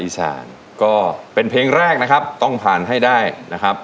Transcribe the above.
อีสานก็เป็นเพลงแรกนะครับต้องผ่านให้ได้นะครับ